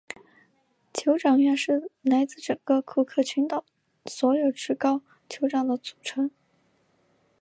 酋长院是来自整个库克群岛所有至高酋长的组成。